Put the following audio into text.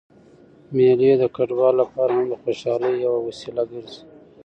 مېلې د کډوالو له پاره هم د خوشحالۍ یوه وسیله ګرځي.